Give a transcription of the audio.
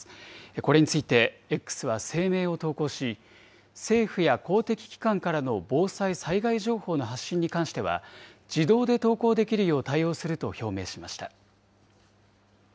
これについてＸは声明を投稿し、政府や公的機関からの防災・災害情報の発信に関しては、自動で投稿できるよう対応すると表明しました。